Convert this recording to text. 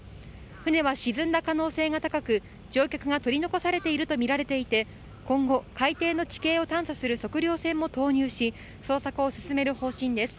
船は沈んだ可能性が高く、乗客が取り残されていると見られていて、今後、海底の地形を探査する測量船も投入し、捜索を進める方針です。